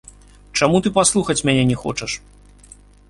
Чаму ты паслухаць мяне не хочаш?